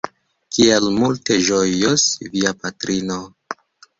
Kiel multe ĝojos via patrino!